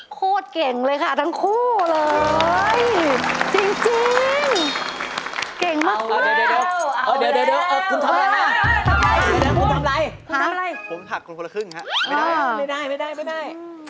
โคตรเก่งเลยค่ะทั้งคู่เลย